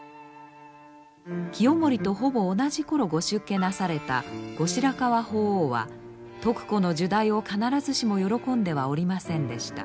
清盛とほぼ同じ頃ご出家なされた後白河法皇は徳子の入内を必ずしも喜んではおりませんでした。